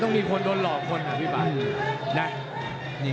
ต้องถามสัจใจน้อย